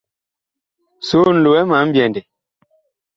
Soon, lowɛ ma mbyɛndɛ.